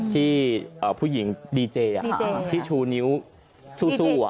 ที่ผู้หญิงดีเจที่ชูนิ้วสู้